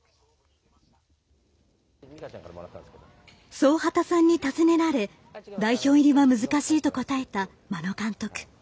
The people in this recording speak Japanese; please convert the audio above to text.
そう波田さんに尋ねられ代表入りは難しいと答えた真野監督。